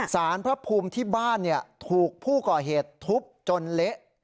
สารพระภูมิที่บ้านถูกผู้ก่อเหตุทุบจนเละ